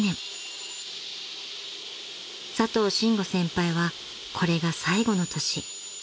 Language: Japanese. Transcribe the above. ［佐藤伸吾先輩はこれが最後の年］